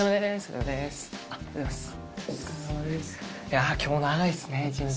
いや今日長いですね一日。